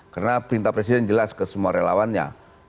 karena perintah presiden jelas ke semua relawannya